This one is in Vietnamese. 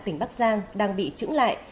tỉnh bắc giang đang bị trứng lại